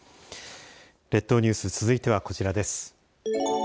列島ニュース、続いてはこちらです。